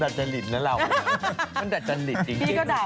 สนับสนุนโดยดีที่สุดคือการให้ไม่สิ้นสุด